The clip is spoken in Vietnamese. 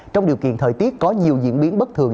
trong điều kiện thời tiết có nhiều diễn biến bất thường